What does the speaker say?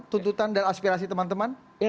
tuntutan dan aspirasi teman teman